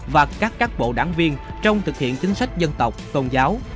và các cán bộ đảng viên trong thực hiện chính sách dân tộc tôn giáo